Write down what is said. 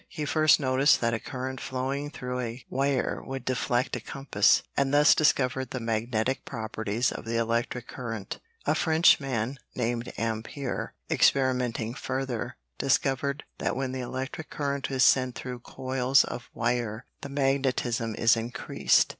He first noticed that a current flowing through a wire would deflect a compass, and thus discovered the magnetic properties of the electric current. A Frenchman named Ampère, experimenting further, discovered that when the electric current is sent through coils of wire the magnetism is increased.